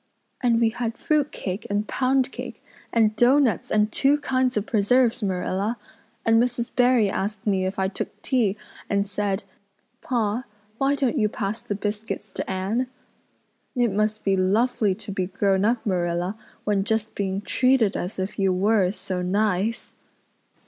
And we had fruit cake and pound cake and doughnuts and two kinds of preserves, Marilla. And Mrs. Barry asked me if I took tea and said 'Pa, why don't you pass the biscuits to Anne?' It must be lovely to be grown up, Marilla, when just being treated as if you were is so nice."